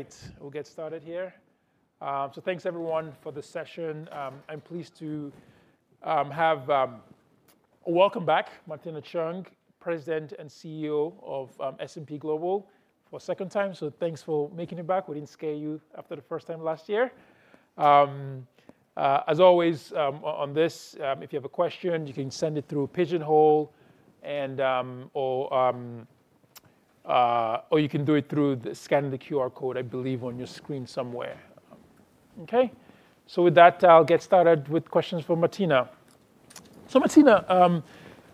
All right. We'll get started here. Thanks everyone for the session. I'm pleased to welcome back Martina Cheung, President and CEO of S&P Global, for a second time. Thanks for making it back. We didn't scare you after the first time last year. As always on this, if you have a question, you can send it through Pigeonhole or you can do it through scanning the QR code, I believe, on your screen somewhere. Okay. With that, I'll get started with questions for Martina. Martina,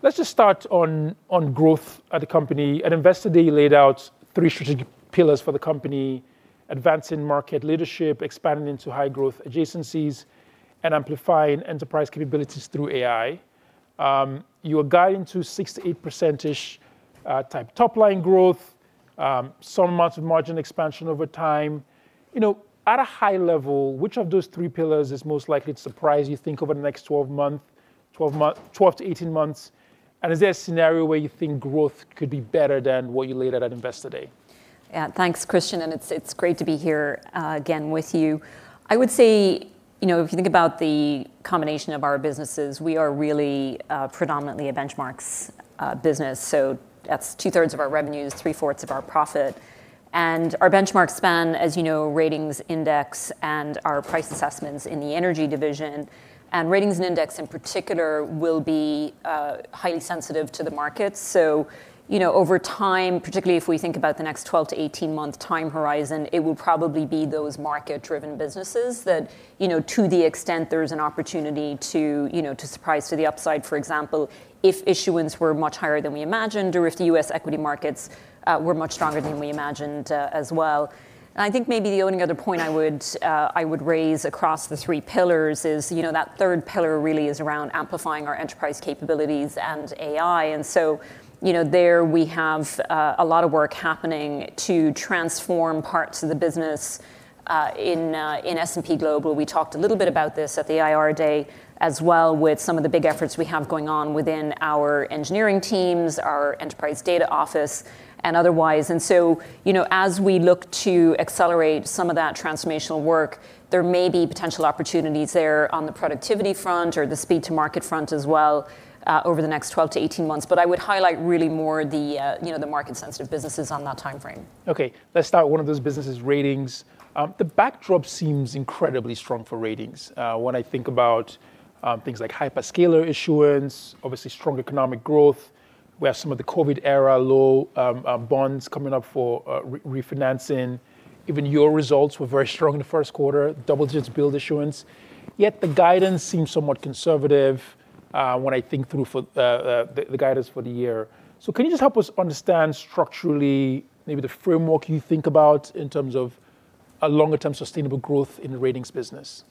let's just start on growth at the company. At Investor Day, you laid out three strategic pillars for the company: advancing market leadership, expanding into high-growth adjacencies, and amplifying enterprise capabilities through AI. You're guiding to 6%-8% type top-line growth, some margin expansion over time. At a high level, which of those three pillars is most likely to surprise you, think, over the next 12-18 months? Is there a scenario where you think growth could be better than what you laid out at Investor Day? Yeah. Thanks, Christian. It's great to be here again with you. I would say, if you think about the combination of our businesses, we are really predominantly a benchmarks business. That's 2/3 of our revenues, three-fourths of our profit. Our benchmarks span, as you know, ratings, index, and our price assessments in the energy division. Ratings and index, in particular, will be highly sensitive to the markets. Over time, particularly if we think about the next 12- to 18-month time horizon, it will probably be those market-driven businesses that to the extent there's an opportunity to surprise to the upside. For example, if issuance were much higher than we imagined, or if the U.S. equity markets were much stronger than we imagined as well. I think maybe the only other point I would raise across the three pillars is that third pillar really is around amplifying our enterprise capabilities and AI. There we have a lot of work happening to transform parts of the business in S&P Global. We talked a little bit about this at the Investor Day as well with some of the big efforts we have going on within our engineering teams, our enterprise data office, and otherwise. As we look to accelerate some of that transformational work, there may be potential opportunities there on the productivity front or the speed-to-market front as well over the next 12-18 months. I would highlight really more the market-sensitive businesses on that timeframe. Okay. Let's start with one of those businesses, ratings. The backdrop seems incredibly strong for ratings. When I think about things like hyperscaler issuance, obviously strong economic growth. We have some of the COVID-era low bonds coming up for refinancing. Even your results were very strong in the first quarter, double-digit billed issuance. Yet the guidance seems somewhat conservative when I think through the guidance for the year. Can you just help us understand structurally maybe the framework you think about in terms of a longer-term sustainable growth in the ratings business?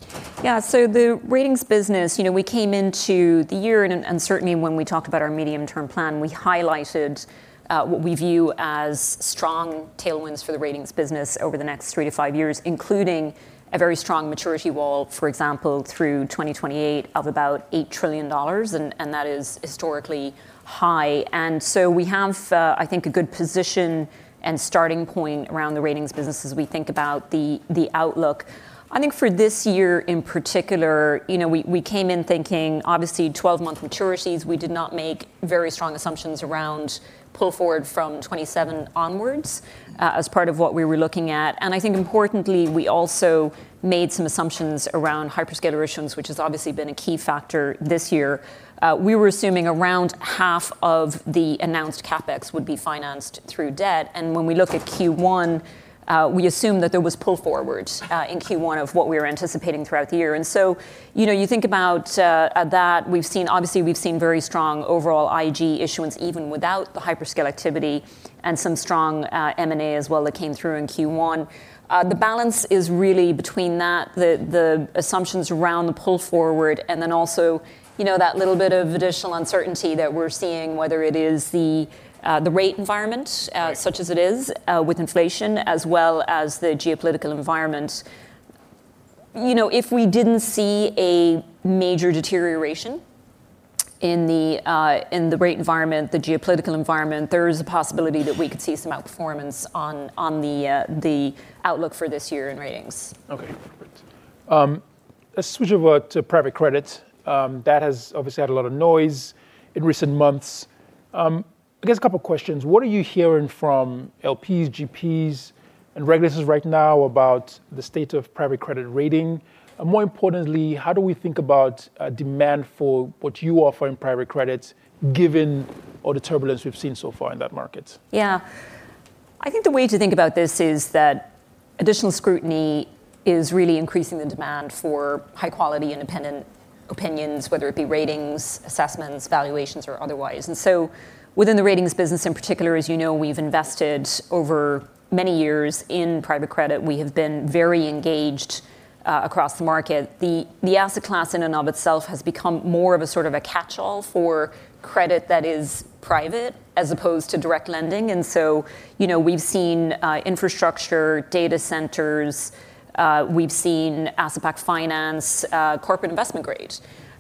The ratings business, we came into the year, and certainly when we talked about our medium-term plan, we highlighted what we view as strong tailwinds for the ratings business over the next three to five years, including a very strong maturity wall, for example, through 2028 of about $8 trillion, and that is historically high. We have, I think, a good position and starting point around the ratings business as we think about the outlook. I think for this year in particular, we came in thinking obviously 12-month maturities. We did not make very strong assumptions around pull forward from 2027 onwards as part of what we were looking at. I think importantly, we also made some assumptions around hyperscaler issuance, which has obviously been a key factor this year. We were assuming around half of the announced CapEx would be financed through debt. When we look at Q1, we assume that there was pull forward in Q1 of what we were anticipating throughout the year. You think about that. Obviously, we've seen very strong overall IG issuance even without the hyperscale activity and some strong M&A as well that came through in Q1. The balance is really between that, the assumptions around the pull forward, and then also that little bit of additional uncertainty that we're seeing, whether it is the rate environment- Right. Such as it is with inflation, as well as the geopolitical environment. If we didn't see a major deterioration in the rate environment, the geopolitical environment, there is a possibility that we could see some outperformance on the outlook for this year in ratings. Okay, great. Let's switch over to private credit. That has obviously had a lot of noise in recent months. I guess a couple of questions. What are you hearing from LPs, GPs, and regulators right now about the state of private credit rating? More importantly, how do we think about demand for what you offer in private credit given all the turbulence we've seen so far in that market? Yeah. I think the way to think about this is that additional scrutiny is really increasing the demand for high-quality independent opinions, whether it be ratings, assessments, valuations, or otherwise. Within the ratings business in particular, as you know, we've invested over many years in private credit. We have been very engaged across the market. The asset class in and of itself has become more of a sort of a catchall for credit that is private as opposed to direct lending. We've seen infrastructure, data centers, we've seen asset-backed finance, corporate investment grade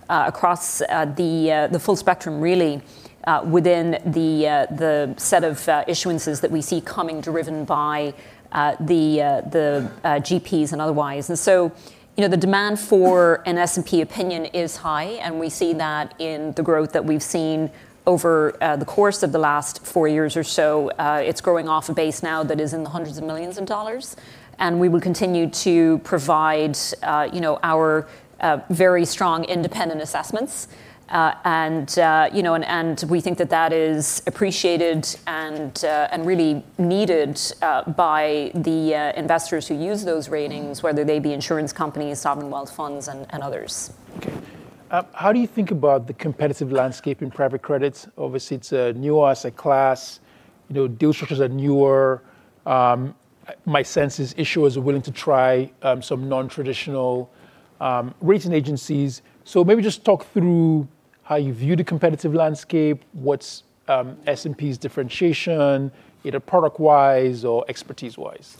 across the full spectrum, really, within the set of issuances that we see coming driven by the GPs and otherwise. The demand for an S&P opinion is high, and we see that in the growth that we've seen over the course of the last four years or so. It's growing off a base now that is in the hundreds of millions of dollars. We will continue to provide our very strong independent assessments. We think that that is appreciated and really needed by the investors who use those ratings, whether they be insurance companies, sovereign wealth funds, and others. Okay. How do you think about the competitive landscape in private credit? Obviously, it's a newer asset class. Deal structures are newer. My sense is issuers are willing to try some non-traditional rating agencies. Maybe just talk through how you view the competitive landscape, what's S&P's differentiation, either product-wise or expertise-wise?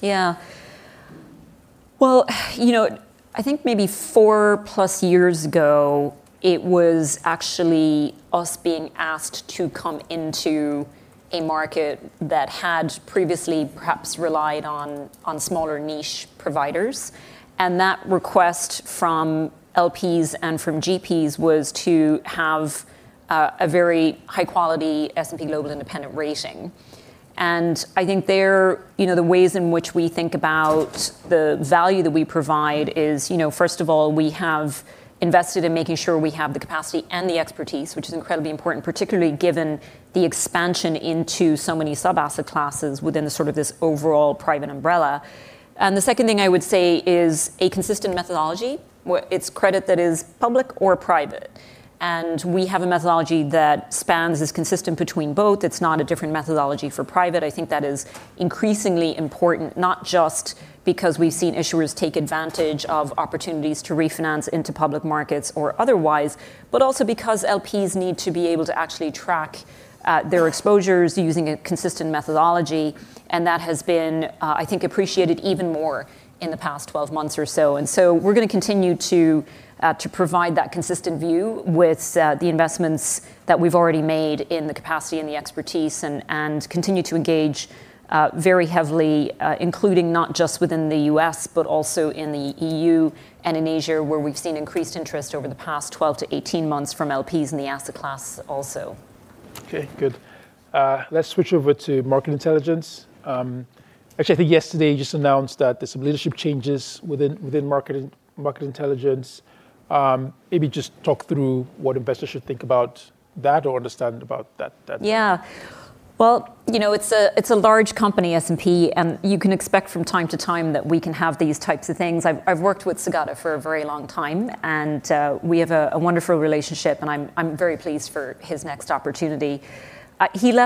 Well, I think maybe 4+ years ago, it was actually us being asked to come into a market that had previously perhaps relied on smaller niche providers, and that request from LPs and from GPs was to have a very high-quality S&P Global independent rating. I think there, the ways in which we think about the value that we provide is, first of all, we have invested in making sure we have the capacity and the expertise, which is incredibly important, particularly given the expansion into so many sub-asset classes within this overall private umbrella. The second thing I would say is a consistent methodology. It's credit that is public or private, and we have a methodology that spans as consistent between both. It's not a different methodology for private. I think that is increasingly important, not just because we've seen issuers take advantage of opportunities to refinance into public markets or otherwise, but also because LPs need to be able to actually track their exposures using a consistent methodology. That has been, I think, appreciated even more in the past 12 months or so. We're going to continue to provide that consistent view with the investments that we've already made in the capacity and the expertise and continue to engage very heavily, including not just within the U.S. but also in the EU and in Asia, where we've seen increased interest over the past 12-18 months from LPs in the asset class also. Okay, good. Let's switch over to Market Intelligence. Actually, I think yesterday you just announced that there's some leadership changes within Market Intelligence. Maybe just talk through what investors should think about that or understand about that. Yeah. Well, it's a large company, S&P, and you can expect from time to time that we can have these types of things. I've worked with Saugata Saha for a very long time. We have a wonderful relationship. I'm very pleased for his next opportunity. In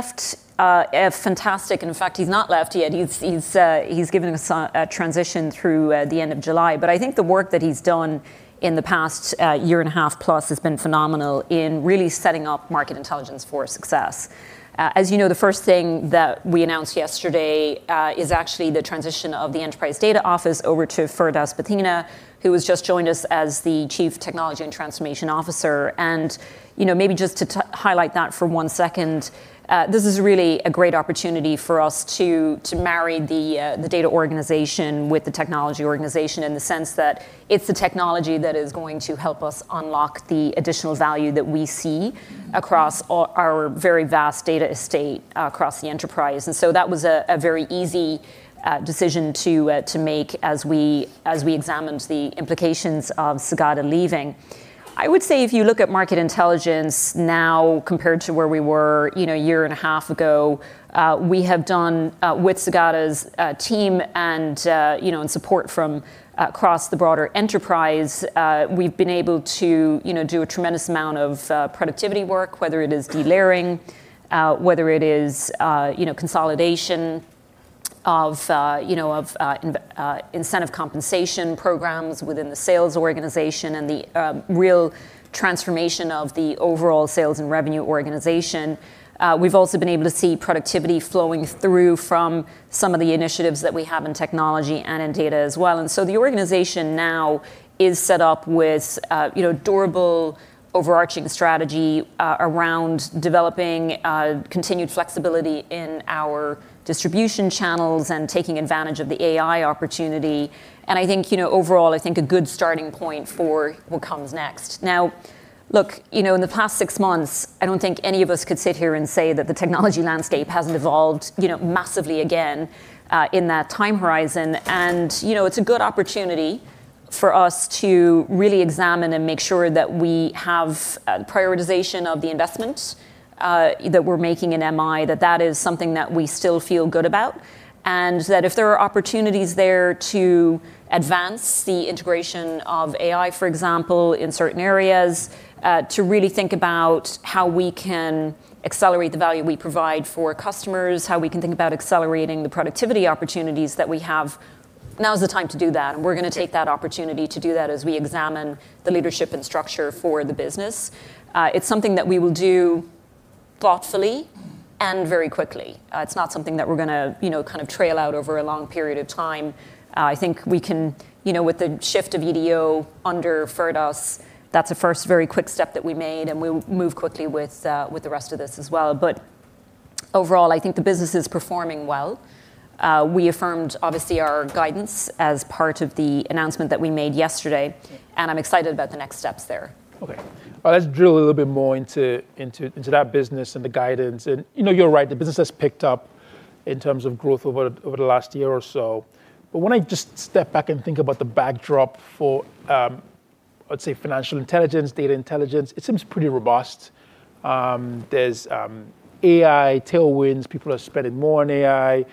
fact, he's not left yet. He's given us a transition through the end of July. I think the work that he's done in the past year and a half plus has been phenomenal in really setting up Market Intelligence for success. As you know, the first thing that we announced yesterday is actually the transition of the Enterprise Data Office over to Firdaus Bhathena, who has just joined us as the Chief Technology and Transformation Officer. Maybe just to highlight that for one second, this is really a great opportunity for us to marry the data organization with the technology organization in the sense that it's the technology that is going to help us unlock the additional value that we see across our very vast data estate across the enterprise. That was a very easy decision to make as we examined the implications of Saugata leaving. I would say if you look at Market Intelligence now compared to where we were a year and a half ago, we have done with Saugata's team and support from across the broader enterprise, we've been able to do a tremendous amount of productivity work, whether it is de-layering, whether it is consolidation of incentive compensation programs within the sales organization, and the real transformation of the overall sales and revenue organization. We've also been able to see productivity flowing through from some of the initiatives that we have in technology and in data as well. The organization now is set up with durable, overarching strategy around developing continued flexibility in our distribution channels and taking advantage of the AI opportunity. I think overall, I think a good starting point for what comes next. Now, look, in the past six months, I don't think any of us could sit here and say that the technology landscape hasn't evolved massively again in that time horizon. It's a good opportunity for us to really examine and make sure that we have prioritization of the investment that we're making in MI, that that is something that we still feel good about. That if there are opportunities there to advance the integration of AI, for example, in certain areas, to really think about how we can accelerate the value we provide for customers, how we can think about accelerating the productivity opportunities that we have, now's the time to do that. We're going to take that opportunity to do that as we examine the leadership and structure for the business. It's something that we will do thoughtfully and very quickly. It's not something that we're going to kind of trail out over a long period of time. I think we can, with the shift of EDO under Firdaus, that's a first very quick step that we made, and we'll move quickly with the rest of this as well. Overall, I think the business is performing well. We affirmed, obviously, our guidance as part of the announcement that we made yesterday. I'm excited about the next steps there. Okay. Let's drill a little bit more into that business and the guidance. You're right, the business has picked up in terms of growth over the last year or so. When I just step back and think about the backdrop for, let's say, financial intelligence, data intelligence, it seems pretty robust. There's AI tailwinds. People are spending more on AI.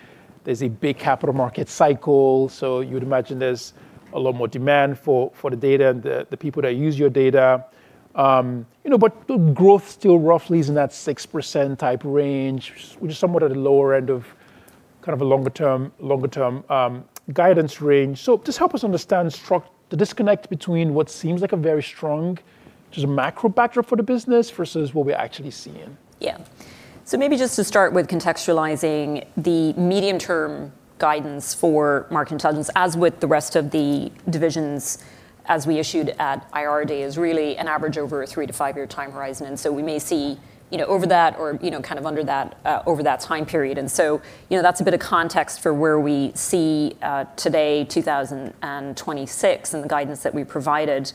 There's a big capital market cycle. You'd imagine there's a lot more demand for the data and the people that use your data. Growth still roughly is in that 6% type range, which is somewhat at the lower end of kind of a longer-term guidance range. Just help us understand the disconnect between what seems like a very strong, just a macro backdrop for the business versus what we're actually seeing. Maybe just to start with contextualizing the medium-term guidance for Market Intelligence, as with the rest of the divisions, as we issued at Investor Day, is really an average over a three to five-year time horizon. We may see over that or kind of under that, over that time period. That's a bit of context for where we see today, 2026, and the guidance that we provided.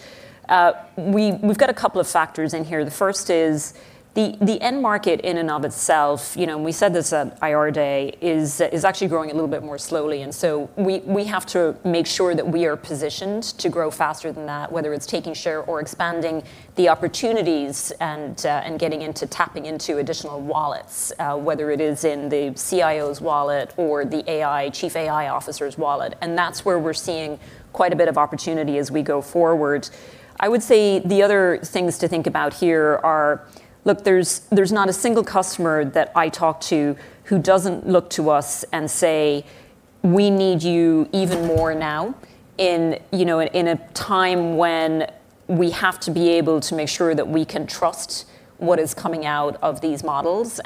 We've got a couple of factors in here. The first is the end market in and of itself, and we said this at Investor Day, is actually growing a little bit more slowly. We have to make sure that we are positioned to grow faster than that, whether it's taking share or expanding the opportunities and getting into tapping into additional wallets, whether it is in the CIO's wallet or the chief AI officer's wallet. That's where we're seeing quite a bit of opportunity as we go forward. I would say the other things to think about here are, look, there's not a single customer that I talk to who doesn't look to us and say, "We need you even more now in a time when we have to be able to make sure that we can trust what is coming out of these models."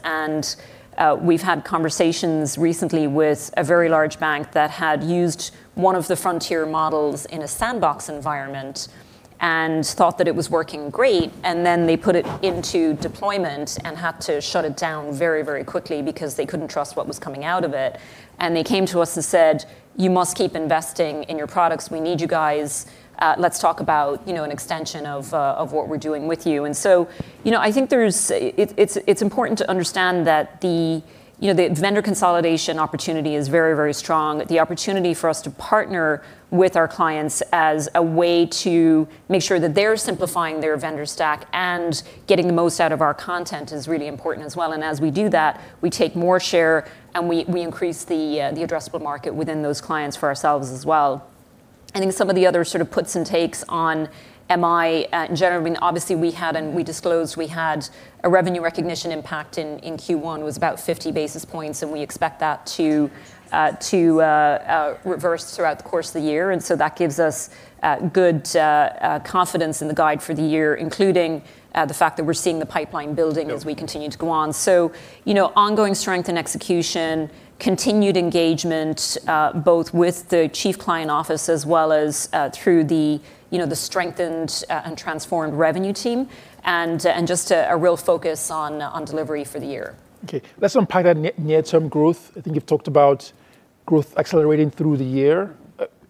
We've had conversations recently with a very large bank that had used one of the frontier models in a sandbox environment and thought that it was working great, and then they put it into deployment and had to shut it down very, very quickly because they couldn't trust what was coming out of it. They came to us and said, "You must keep investing in your products. We need you guys. Let's talk about an extension of what we're doing with you." I think it's important to understand that the vendor consolidation opportunity is very, very strong. The opportunity for us to partner with our clients as a way to make sure that they're simplifying their vendor stack and getting the most out of our content is really important as well. As we do that, we take more share, and we increase the addressable market within those clients for ourselves as well. I think some of the other sort of puts and takes on MI, in general, obviously, we had and we disclosed we had a revenue recognition impact in Q1, was about 50 basis points, and we expect that to reverse throughout the course of the year. That gives us good confidence in the guide for the year, including the fact that we're seeing the pipeline building. Yep. As we continue to go on. Ongoing strength and execution, continued engagement, both with the Chief Client Office as well as through the strengthened and transformed revenue team, and just a real focus on delivery for the year. Okay. Let's unpack that near-term growth. I think you've talked about growth accelerating through the year.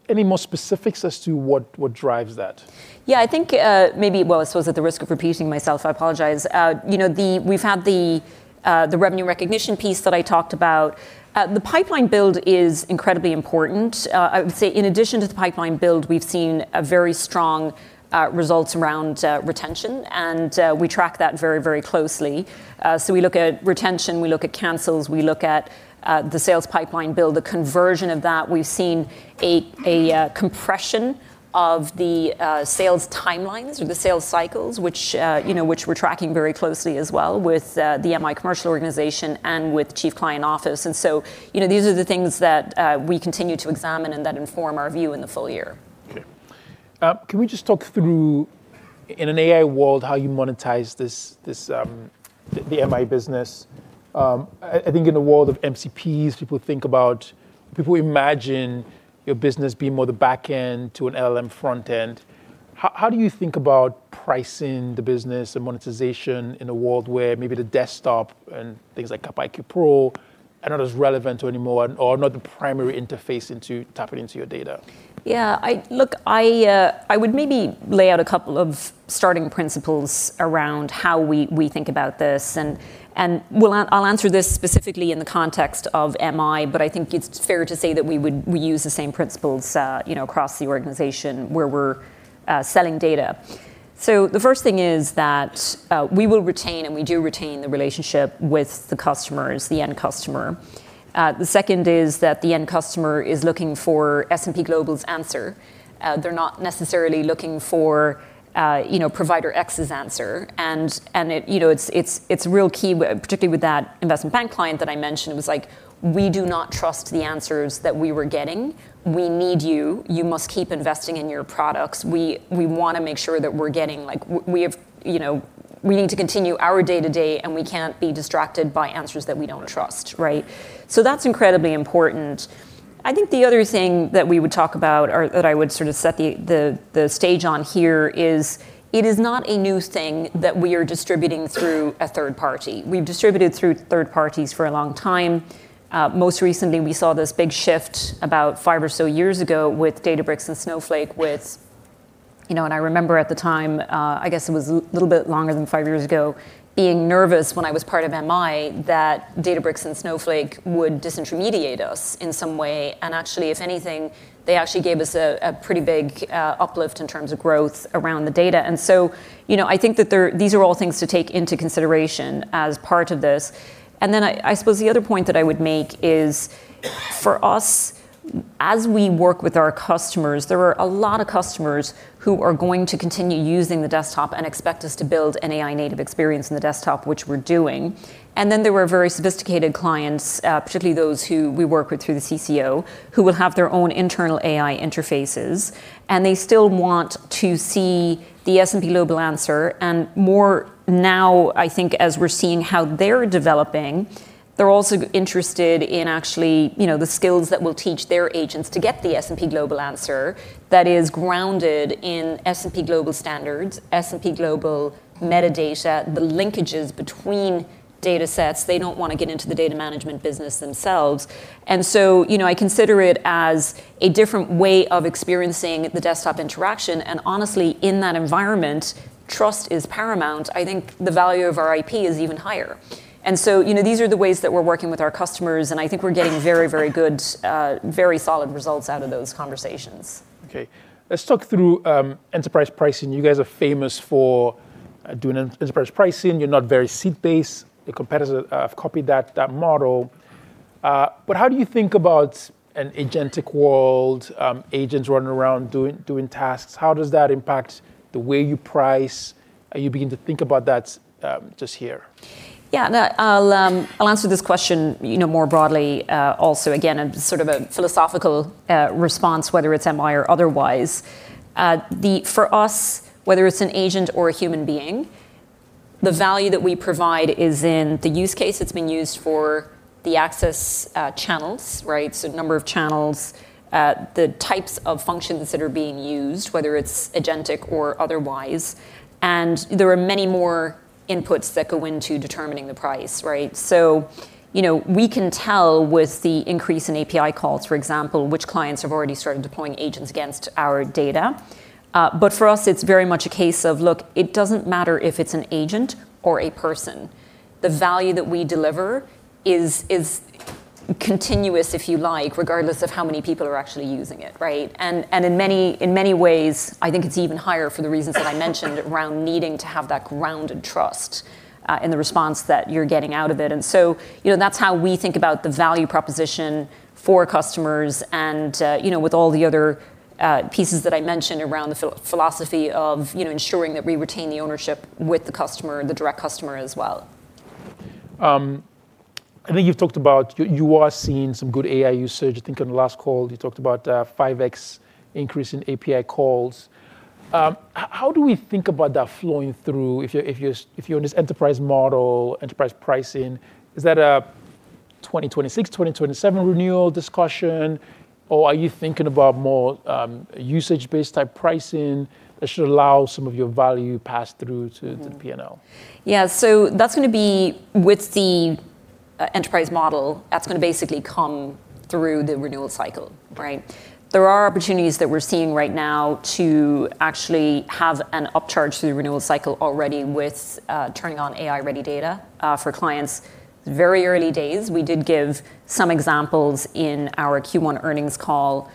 Any more specifics as to what drives that? Yeah, I think, maybe, well, I suppose at the risk of repeating myself, I apologize. We've had the revenue recognition piece that I talked about. The pipeline build is incredibly important. I would say in addition to the pipeline build, we've seen very strong results around retention, and we track that very, very closely. We look at retention, we look at cancels, we look at the sales pipeline build, the conversion of that. We've seen a compression of the sales timelines or the sales cycles, which we're tracking very closely as well with the MI commercial organization and with Chief Client Office. These are the things that we continue to examine and that inform our view in the full year. Okay. Can we just talk through, in an AI world, how you monetize the MI business? I think in the world of MCPs, People imagine your business being more the back end to an LLM front end. How do you think about pricing the business and monetization in a world where maybe the desktop and things like CapIQ Pro are not as relevant anymore or are not the primary interface into tapping into your data? Yeah. Look, I would maybe lay out a couple of starting principles around how we think about this, and I'll answer this specifically in the context of MI, but I think it's fair to say that we use the same principles across the organization where we're selling data. The first thing is that we will retain, and we do retain, the relationship with the customers, the end customer. The second is that the end customer is looking for S&P Global's answer. They're not necessarily looking for provider X's answer. It's real key, particularly with that investment bank client that I mentioned, it was like, "We do not trust the answers that we were getting. We need you. You must keep investing in your products. We need to continue our day-to-day, and we can't be distracted by answers that we don't trust." Right? That's incredibly important. I think the other thing that we would talk about or that I would sort of set the stage on here is, it is not a new thing that we are distributing through a third party. We've distributed through third parties for a long time. Most recently, we saw this big shift about five or so years ago with Databricks and Snowflake with. I remember at the time, I guess it was a little bit longer than five years ago, being nervous when I was part of MI, that Databricks and Snowflake would disintermediate us in some way. Actually, if anything, they actually gave us a pretty big uplift in terms of growth around the data. I think that these are all things to take into consideration as part of this. I suppose the other point that I would make is, for us, as we work with our customers, there are a lot of customers who are going to continue using the desktop and expect us to build an AI-native experience in the desktop, which we're doing. There are very sophisticated clients, particularly those who we work with through the CCO, who will have their own internal AI interfaces, and they still want to see the S&P Global answer and more now, I think, as we're seeing how they're developing. They're also interested in actually the skills that will teach their agents to get the S&P Global answer that is grounded in S&P Global standards, S&P Global metadata, the linkages between datasets. They don't want to get into the data management business themselves. I consider it as a different way of experiencing the desktop interaction. Honestly, in that environment, trust is paramount. I think the value of our IP is even higher. These are the ways that we're working with our customers, and I think we're getting very good, very solid results out of those conversations. Okay. Let's talk through enterprise pricing. You guys are famous for doing enterprise pricing. You're not very seat-based. The competitors have copied that model. How do you think about an agentic world, agents running around doing tasks? How does that impact the way you price? Are you beginning to think about that just here? Yeah. No. I'll answer this question more broadly. Again, sort of a philosophical response, whether it's MI or otherwise. For us, whether it's an agent or a human being, the value that we provide is in the use case that's been used for the access channels, right? The number of channels, the types of functions that are being used, whether it's agentic or otherwise. There are many more inputs that go into determining the price, right? We can tell with the increase in API calls, for example, which clients have already started deploying agents against our data. For us, it's very much a case of, look, it doesn't matter if it's an agent or a person. The value that we deliver is continuous, if you like, regardless of how many people are actually using it, right? In many ways, I think it's even higher for the reasons that I mentioned around needing to have that grounded trust in the response that you're getting out of it. That's how we think about the value proposition for customers and, with all the other pieces that I mentioned around the philosophy of ensuring that we retain the ownership with the customer, the direct customer as well. I think you've talked about you are seeing some good AI usage. I think on the last call, you talked about a 5x increase in API calls. How do we think about that flowing through if you're in this enterprise model, enterprise pricing? Is that a 2026, 2027 renewal discussion, or are you thinking about more usage-based type pricing that should allow some of your value pass-through to the P&L? That's going to be with the enterprise model, that's going to basically come through the renewal cycle, right. There are opportunities that we're seeing right now to actually have an upcharge through the renewal cycle already with turning on AI-ready data for clients. Very early days. We did give some examples in our Q1 earnings call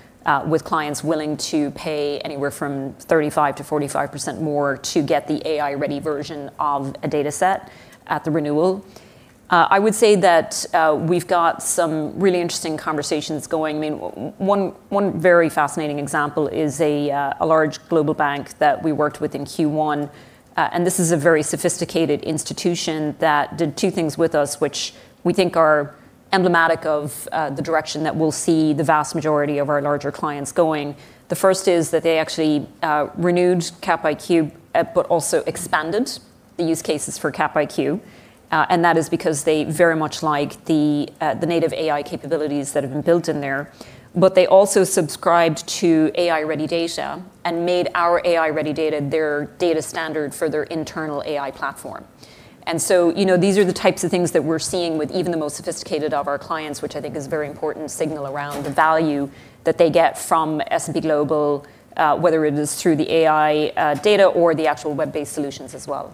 with clients willing to pay anywhere from 35%-45% more to get the AI-ready version of a dataset at the renewal. I would say that we've got some really interesting conversations going. One very fascinating example is a large global bank that we worked with in Q1. This is a very sophisticated institution that did two things with us, which we think are emblematic of the direction that we'll see the vast majority of our larger clients going. The first is that they actually renewed Capital IQ, but also expanded the use cases for Capital IQ. That is because they very much like the native AI capabilities that have been built in there. They also subscribed to AI-ready data and made our AI-ready data their data standard for their internal AI platform. These are the types of things that we're seeing with even the most sophisticated of our clients, which I think is a very important signal around the value that they get from S&P Global, whether it is through the AI data or the actual web-based solutions as well.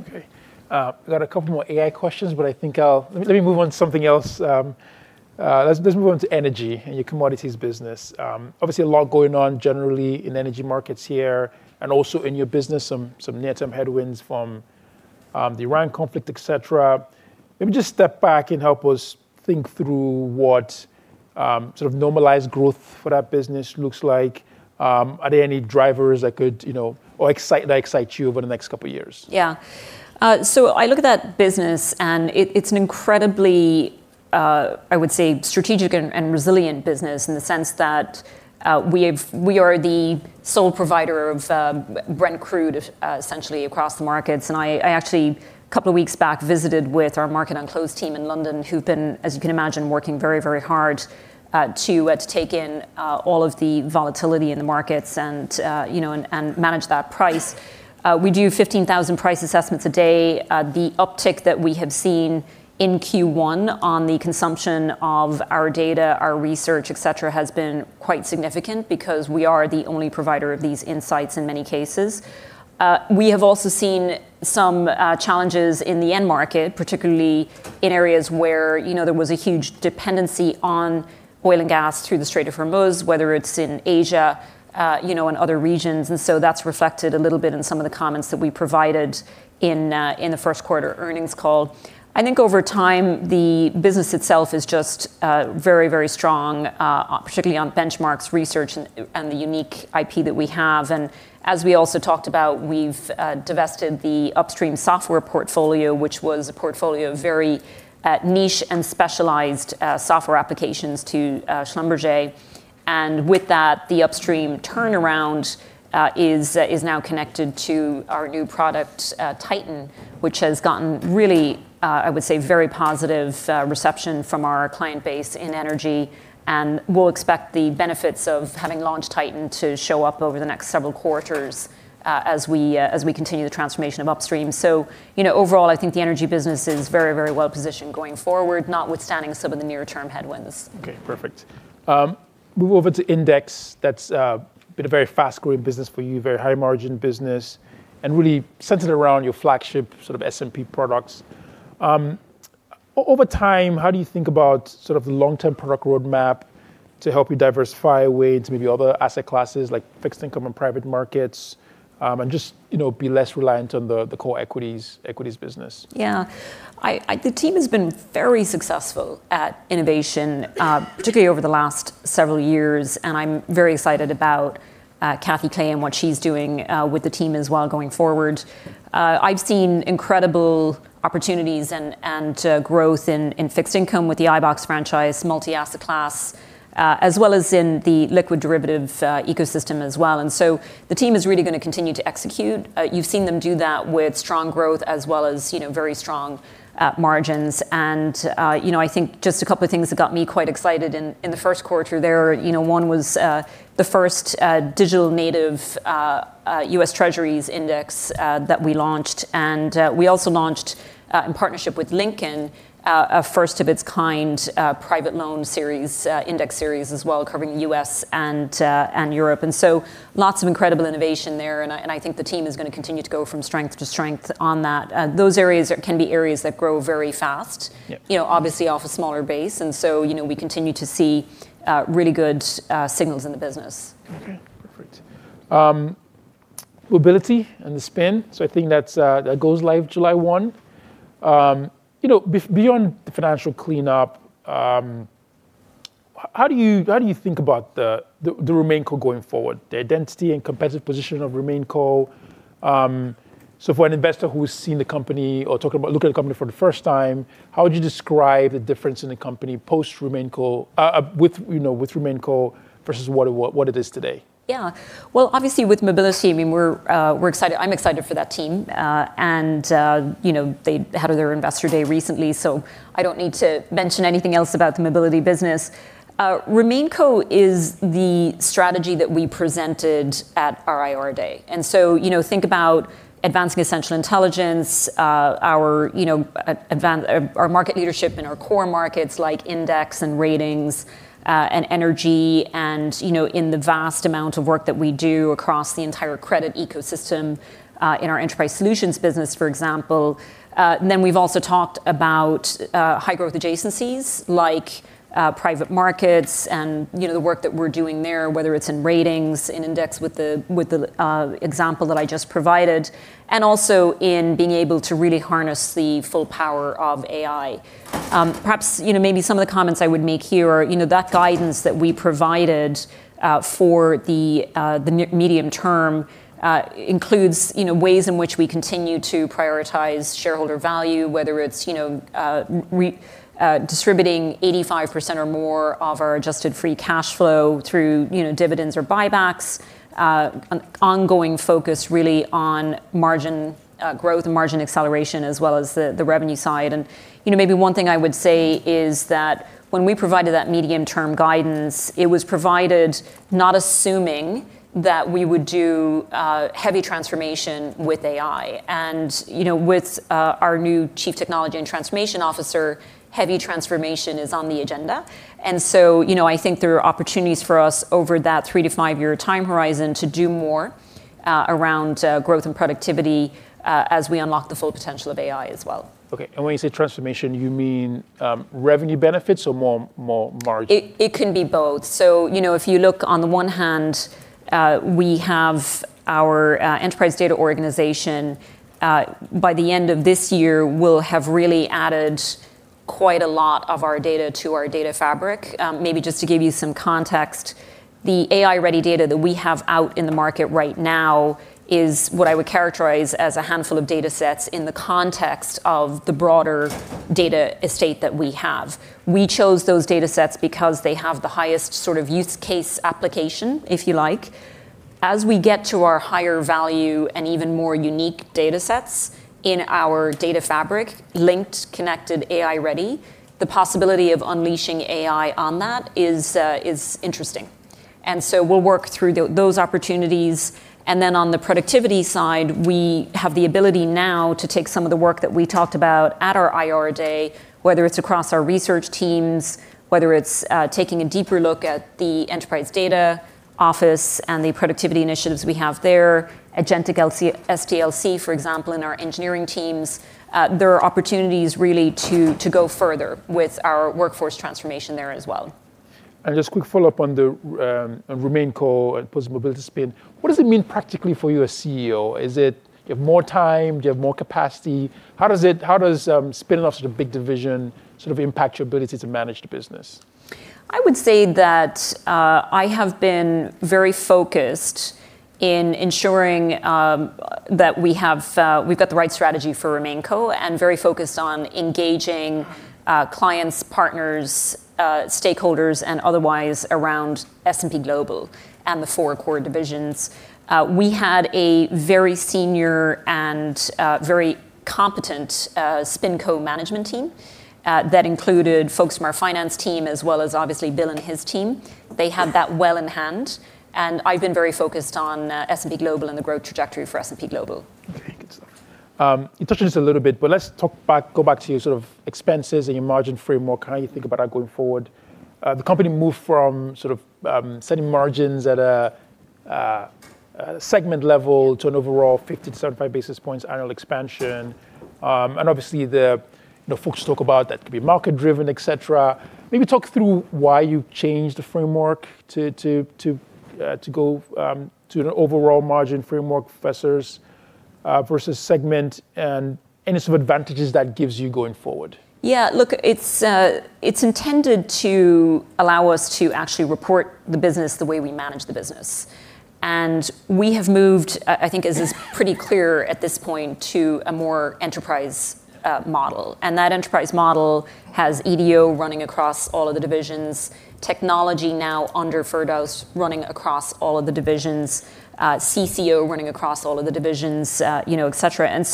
Okay. I've got a couple more AI questions, but I think let me move on something else. Let's move on to energy and your commodities business. Obviously, a lot going on generally in energy markets here and also in your business, some near-term headwinds from the Iran conflict, et cetera. Maybe just step back and help us think through what sort of normalized growth for that business looks like. Are there any drivers that excite you over the next couple of years? I look at that business, and it's an incredibly, I would say, strategic and resilient business in the sense that we are the sole provider of Brent Crude, essentially across the markets. I actually, a couple of weeks back, visited with our Market and close team in London, who've been, as you can imagine, working very hard to take in all of the volatility in the markets and manage that price. We do 15,000 price assessments a day. The uptick that we have seen in Q1 on the consumption of our data, our research, et cetera, has been quite significant because we are the only provider of these insights in many cases. We have also seen some challenges in the end market, particularly in areas where there was a huge dependency on oil and gas through the Strait of Hormuz, whether it's in Asia and other regions. That's reflected a little bit in some of the comments that we provided in the first quarter earnings call. I think over time, the business itself is just very strong, particularly on benchmarks, research, and the unique IP that we have. As we also talked about, we've divested the upstream software portfolio, which was a portfolio of very niche and specialized software applications to Schlumberger. With that, the upstream turnaround is now connected to our new product, Titan, which has gotten really, I would say, very positive reception from our client base in energy. We'll expect the benefits of having launched Titan to show up over the next several quarters as we continue the transformation of upstream. Overall, I think the energy business is very well positioned going forward, notwithstanding some of the near-term headwinds. Okay, perfect. Move over to Index. That's been a very fast-growing business for you, very high-margin business, and really centered around your flagship S&P products. Over time, how do you think about the long-term product roadmap to help you diversify away into maybe other asset classes, like fixed income and private markets, and just be less reliant on the core equities business? Yeah. The team has been very successful at innovation, particularly over the last several years, and I'm very excited about Catherine Clay and what she's doing with the team as well going forward. I've seen incredible opportunities and growth in fixed income with the iBoxx franchise, multi-asset class, as well as in the liquid derivative ecosystem as well. The team is really going to continue to execute. You've seen them do that with strong growth as well as very strong margins. I think just a couple of things that got me quite excited in the first quarter there, one was the first digital native US Treasuries index that we launched. We also launched, in partnership with Lincoln International, a first-of-its-kind private loan index series as well, covering U.S. and Europe. Lots of incredible innovation there, and I think the team is going to continue to go from strength to strength on that. Those areas can be areas that grow very fast. Yeah. Obviously off a smaller base. We continue to see really good signals in the business. Okay, perfect. Mobility and the spin. I think that goes live July 1. Beyond the financial cleanup, how do you think about the RemainCo going forward, the identity and competitive position of RemainCo? For an investor who is seeing the company or looking at the company for the first time, how would you describe the difference in the company with RemainCo versus what it is today? Well, obviously, with mobility, I'm excited for that team. They had their Investor Day recently, so I don't need to mention anything else about the mobility business. RemainCo is the strategy that we presented at our Investor Day. Think about advancing essential intelligence, our market leadership in our core markets like Index and Ratings, and Energy, and in the vast amount of work that we do across the entire credit ecosystem in our enterprise solutions business, for example. We've also talked about high-growth adjacencies like private markets and the work that we're doing there, whether it's in Ratings, in Index with the example that I just provided, and also in being able to really harness the full power of AI. Perhaps maybe some of the comments I would make here are that guidance that we provided for the medium term includes ways in which we continue to prioritize shareholder value, whether it's distributing 85% or more of our adjusted free cash flow through dividends or buybacks, an ongoing focus really on margin growth and margin acceleration, as well as the revenue side. Maybe one thing I would say is that. When we provided that medium-term guidance, it was provided not assuming that we would do heavy transformation with AI. With our new Chief Technology and Transformation Officer, heavy transformation is on the agenda. I think there are opportunities for us over that three to five-year time horizon to do more around growth and productivity as we unlock the full potential of AI as well. Okay. When you say transformation, you mean revenue benefits or more margin? It can be both. If you look on the one hand, we have our enterprise data organization, by the end of this year, will have really added quite a lot of our data to our data fabric. Maybe just to give you some context, the AI-ready data that we have out in the market right now is what I would characterize as a handful of datasets in the context of the broader data estate that we have. We chose those datasets because they have the highest sort of use case application, if you like. As we get to our higher value and even more unique datasets in our data fabric, linked, connected, AI-ready, the possibility of unleashing AI on that is interesting. We'll work through those opportunities. On the productivity side, we have the ability now to take some of the work that we talked about at our Investor Day, whether it's across our research teams, whether it's taking a deeper look at the enterprise data office and the productivity initiatives we have there. Agentic SDLC, for example, in our engineering teams, there are opportunities really to go further with our workforce transformation there as well. Just quick follow-up on the RemainCo and possible ability to spin? What does it mean practically for you as CEO? Is it you have more time, do you have more capacity? How does spinning off sort of big division sort of impact your ability to manage the business? I would say that I have been very focused in ensuring that we've got the right strategy for RemainCo and very focused on engaging clients, partners, stakeholders, and otherwise around S&P Global and the four core divisions. We had a very senior and very competent SpinCo management team that included folks from our finance team as well as obviously Bill and his team. They had that well in hand, and I've been very focused on S&P Global and the growth trajectory for S&P Global. Okay, good stuff. You touched on this a little bit, but let's go back to your sort of expenses and your margin framework. How you think about that going forward? The company moved from sort of setting margins at a segment level to an overall 50-75 basis points annual expansion. Obviously the folks talk about that could be market driven, et cetera. Maybe talk through why you changed the framework to go to an overall margin framework versus segment and any sort of advantages that gives you going forward. Yeah, look, it's intended to allow us to actually report the business the way we manage the business. We have moved, I think as is pretty clear at this point, to a more enterprise model. That enterprise model has EDO running across all of the divisions, technology now under Firdaus running across all of the divisions, CCO running across all of the divisions, et cetera.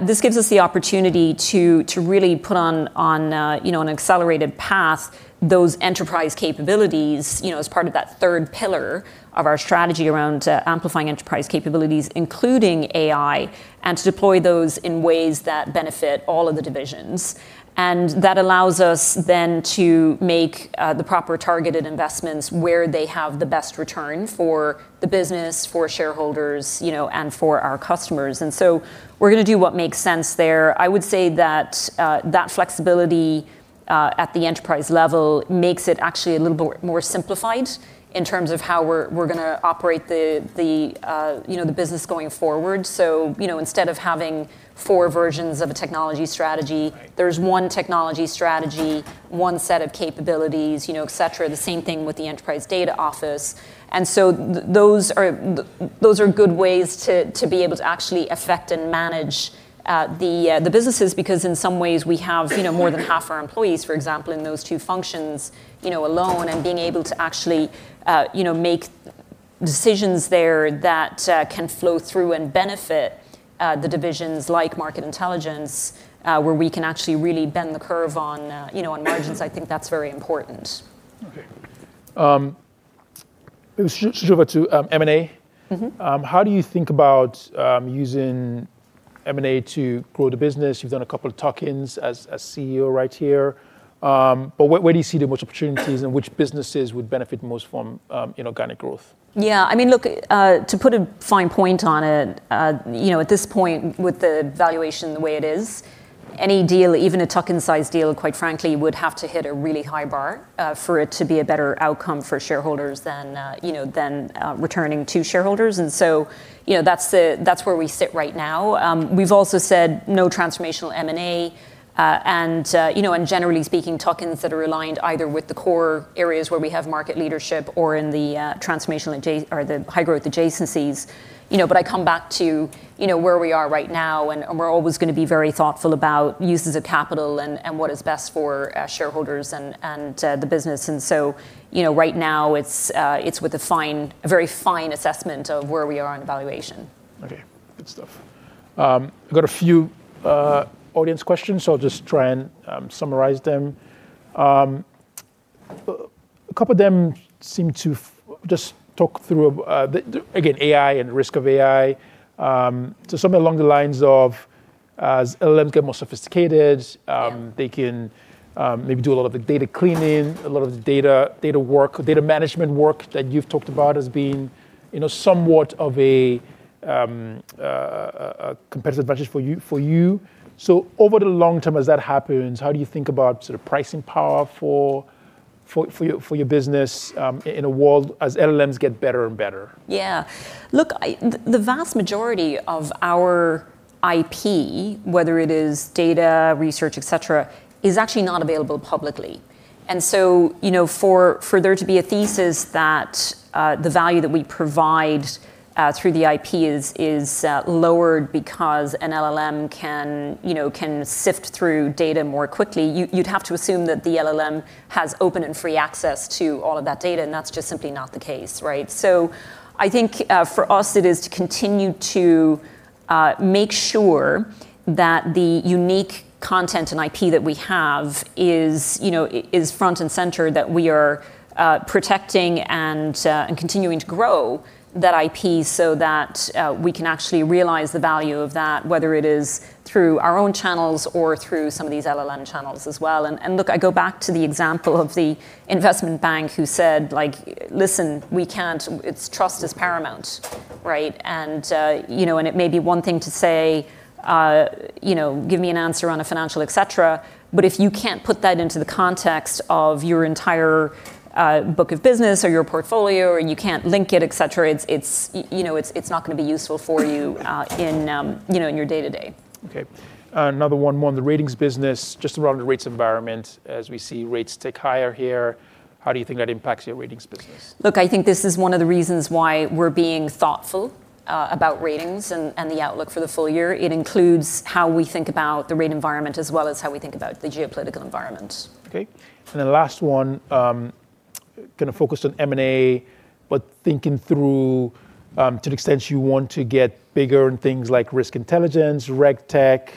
This gives us the opportunity to really put on an accelerated path those enterprise capabilities, as part of that third pillar of our strategy around amplifying enterprise capabilities, including AI, and to deploy those in ways that benefit all of the divisions. That allows us then to make the proper targeted investments where they have the best return for the business, for shareholders, and for our customers. We're going to do what makes sense there. I would say that flexibility at the enterprise level makes it actually a little bit more simplified in terms of how we're going to operate the business going forward. Instead of having four versions of a technology strategy. Right. There's one technology strategy, one set of capabilities, et cetera. The same thing with the Enterprise Data Office. Those are good ways to be able to actually affect and manage the businesses because in some ways we have more than half our employees, for example, in those two functions alone. Being able to actually make decisions there that can flow through and benefit the divisions like Market Intelligence, where we can actually really bend the curve on margins, I think that's very important. Okay. Maybe switch over to M&A. How do you think about using M&A to grow the business? You've done a couple of tuck-ins as CEO right here. Where do you see the most opportunities and which businesses would benefit most from organic growth? Yeah, look, to put a fine point on it, at this point with the valuation the way it is, any deal, even a tuck-in size deal, quite frankly, would have to hit a really high bar for it to be a better outcome for shareholders than returning to shareholders. That's where we sit right now. We've also said no transformational M&A, and generally speaking, tuck-ins that are aligned either with the core areas where we have market leadership or in the high growth adjacencies. I come back to where we are right now, and we're always going to be very thoughtful about uses of capital and what is best for shareholders and the business. Right now it's with a very fine assessment of where we are on valuation. Okay, good stuff. I've got a few audience questions, so I'll just try and summarize them. A couple of them seem to just talk through, again, AI and risk of AI. Something along the lines of, as LLMs get more sophisticated- Yeah. They can maybe do a lot of the data cleaning, a lot of the data work, data management work that you've talked about as being somewhat of a competitive advantage for you. Over the long term, as that happens, how do you think about pricing power for your business in a world as LLMs get better and better? Yeah. Look, the vast majority of our IP, whether it is data, research, et cetera, is actually not available publicly. For there to be a thesis that the value that we provide through the IP is lowered because an LLM can sift through data more quickly, you'd have to assume that the LLM has open and free access to all of that data, and that's just simply not the case, right? I think for us, it is to continue to make sure that the unique content and IP that we have is front and center, that we are protecting and continuing to grow that IP so that we can actually realize the value of that, whether it is through our own channels or through some of these LLM channels as well. Look, I go back to the example of the investment bank who said, "Listen, trust is paramount," right? It may be one thing to say, "Give me an answer on a financial," et cetera, but if you can't put that into the context of your entire book of business or your portfolio, or you can't link it, et cetera, it's not going to be useful for you in your day-to-day. Okay. Another one more on the ratings business, just around the rates environment as we see rates tick higher here, how do you think that impacts your ratings business? Look, I think this is one of the reasons why we're being thoughtful about ratings and the outlook for the full year. It includes how we think about the rate environment as well as how we think about the geopolitical environment. The last one, kind of focused on M&A, but thinking through to the extent you want to get bigger in things like risk intelligence, RegTech,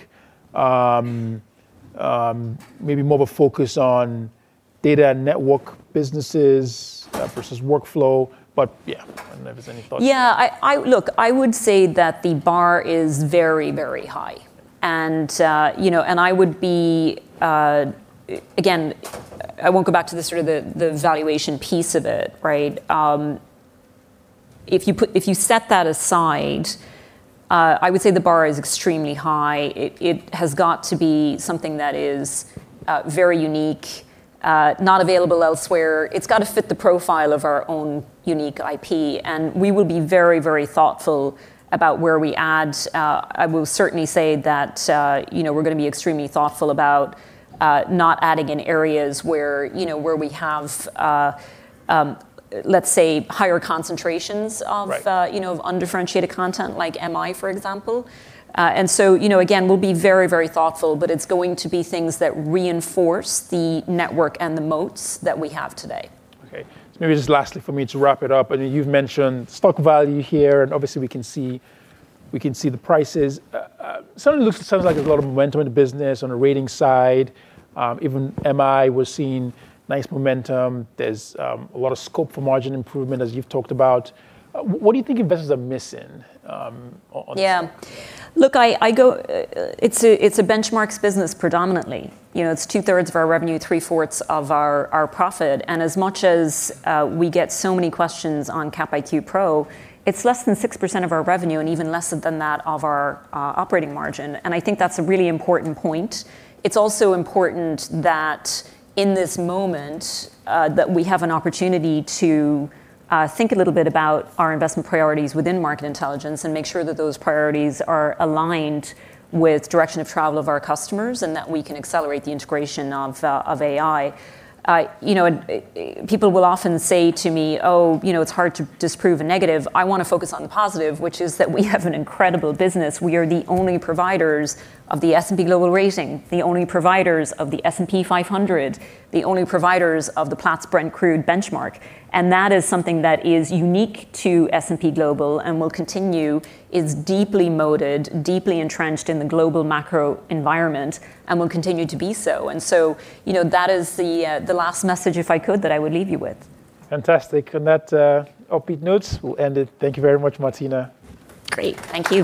maybe more of a focus on data network businesses versus workflow. Yeah, I don't know if there's any thoughts. Yeah. Look, I would say that the bar is very high. I won't go back to the sort of the valuation piece of it, right? If you set that aside, I would say the bar is extremely high. It has got to be something that is very unique, not available elsewhere. It's got to fit the profile of our own unique IP, and we will be very thoughtful about where we add. I will certainly say that we're going to be extremely thoughtful about not adding in areas where we have, let's say, higher concentrations. Right. Undifferentiated content, like MI, for example. Again, we'll be very, very thoughtful, but it's going to be things that reinforce the network and the moats that we have today. Okay. Maybe just lastly for me to wrap it up, I know you've mentioned stock value here, and obviously we can see the prices. Certainly looks like there's a lot of momentum in the business on the ratings side. Even MI, we're seeing nice momentum. There's a lot of scope for margin improvement, as you've talked about. What do you think investors are missing on this? Yeah. Look, it's a benchmarks business predominantly. It's 2/3 of our revenue, three-fourths of our profit. As much as we get so many questions on CapIQ Pro, it's less than 6% of our revenue and even less than that of our operating margin, and I think that's a really important point. It's also important that in this moment that we have an opportunity to think a little bit about our investment priorities within Market Intelligence and make sure that those priorities are aligned with direction of travel of our customers, and that we can accelerate the integration of AI. People will often say to me, "Oh, it's hard to disprove a negative." I want to focus on the positive, which is that we have an incredible business. We are the only providers of the S&P Global rating, the only providers of the S&P 500, the only providers of the Platts Brent Crude Benchmark, and that is something that is unique to S&P Global and will continue. It's deeply moated, deeply entrenched in the global macro environment and will continue to be so. That is the last message, if I could, that I would leave you with. Fantastic. On that upbeat note, we'll end it. Thank you very much, Martina. Great. Thank you.